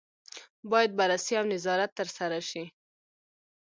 باید بررسي او نظارت ترسره شي.